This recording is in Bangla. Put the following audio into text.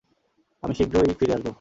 আমি শীঘ্রই ফিরে আসব।